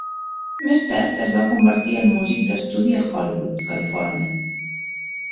Més tard, es va convertir en músic d'estudi a Hollywood (Califòrnia).